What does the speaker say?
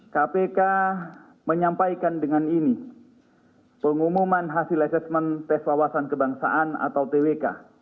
kpk menyampaikan dengan ini pengumuman hasil asesmen tes wawasan kebangsaan atau twk